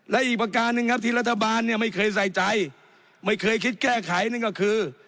และอีกประการหนึ่งครับที่รัฐบาลเนี่ยไม่เคยใส่ใจไม่เคยคิดแก้ไขนั่นก็คือ